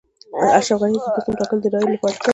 اشرف غني د دوستم ټاکل د رایو لپاره کړي دي